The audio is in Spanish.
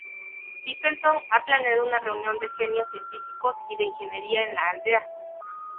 Stephenson ha planeado una reunión de genios científicos y de ingeniería en la aldea.